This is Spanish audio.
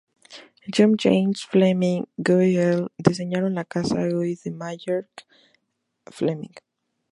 John Angel James, Fleming, Guy L diseñaron la Casa Guy and Margaret Fleming.